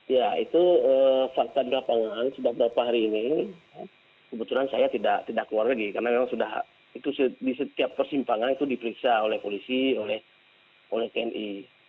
ya itu fakta di lapangan sudah beberapa hari ini kebetulan saya tidak keluar lagi karena memang sudah itu di setiap persimpangan itu diperiksa oleh polisi oleh tni